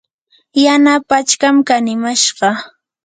yana pachkam kanimashqa.